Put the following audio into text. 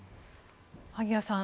萩谷さん